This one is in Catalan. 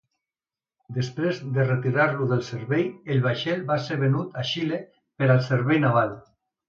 Després de retirar-lo del servei, el vaixell va ser venut a Xile per al servei naval.